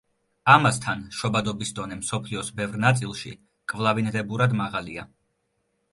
ამასთან, შობადობის დონე მსოფლიოს ბევრ ნაწილში კვლავინდებურად მაღალია.